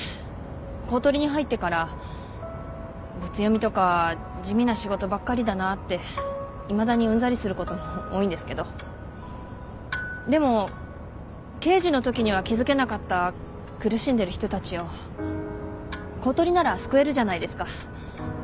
公取に入ってからブツ読みとか地味な仕事ばっかりだなっていまだにうんざりすることも多いんですけどでも刑事のときには気付けなかった苦しんでる人たちを公取なら救えるじゃないですか。